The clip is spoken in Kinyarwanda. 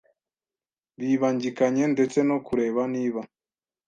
bibangikanye ndetse no kureba niba